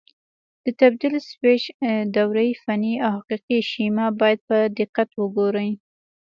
د تبدیل سویچ دورې فني او حقیقي شیما باید په دقت وګورئ.